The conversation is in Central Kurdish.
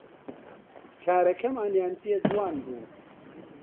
کارەکەمانیان پێ جوان بوو